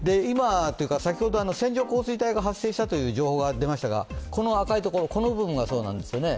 先ほど線状降水帯が発生したという情報が出ましたがこの赤い部分がそうなんですよね。